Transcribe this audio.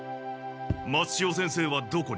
松千代先生はどこに？